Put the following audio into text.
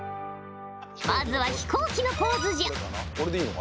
まずは飛行機のポーズじゃ。